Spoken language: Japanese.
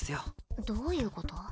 どういうこと？